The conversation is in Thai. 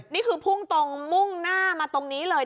นี่คือพุ่งตรงมุ่งหน้ามาตรงนี้เลย